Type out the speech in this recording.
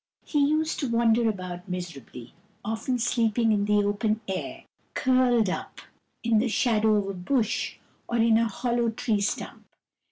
He used to wander about miserably, often sleeping in the open air, curled up in the shadow of a bush, or in a hollow tree stump.